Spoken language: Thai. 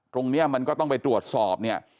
ตรงนี้มันก็ต้องไปตรวจสอบเนี่ย